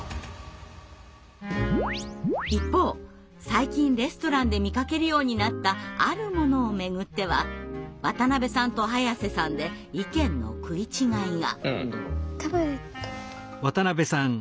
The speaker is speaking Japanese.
一方最近レストランで見かけるようになったあるものをめぐっては渡辺さんと早さんで意見の食い違いが。